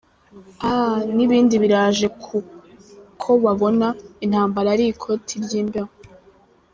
Ah nibindi biraje kukobabona intambara ari ikoti ryimbeho